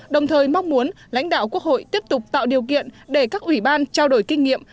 đồng thời mong muốn lãnh đạo quốc hội tiếp tục tạo điều kiện để các ủy ban trao đổi kinh nghiệm